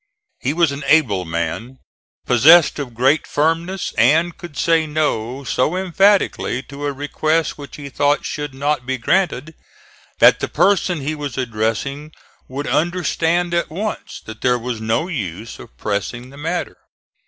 He was an able man, possessed of great firmness, and could say "no" so emphatically to a request which he thought should not be granted that the person he was addressing would understand at once that there was no use of pressing the matter.